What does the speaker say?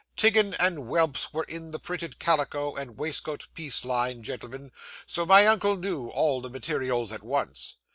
Tiggin and Welps were in the printed calico and waistcoat piece line, gentlemen, so my uncle knew all the materials at once.